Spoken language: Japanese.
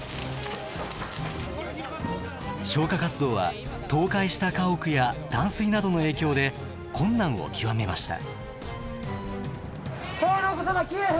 消火活動は倒壊した家屋や断水などの影響で困難を窮めました。